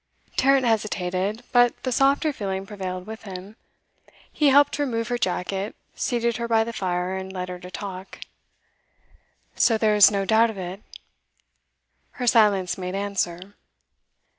Tarrant hesitated, but the softer feeling prevailed with him. He helped to remove her jacket, seated her by the fire, and led her to talk. 'So there's no doubt of it?' Her silence made answer.